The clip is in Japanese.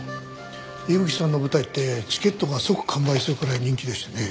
伊吹さんの舞台ってチケットが即完売するくらい人気でしてね。